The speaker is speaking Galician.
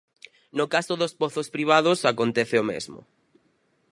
No caso dos pozos privados acontece o mesmo.